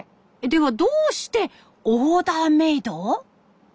ではどうしてオーダーメイド？